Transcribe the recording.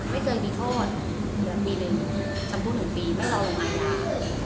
ไม่เคยมีโทษเหลือ๑ปีจำพูดหนึ่งปีไม่รอโรงพยาบ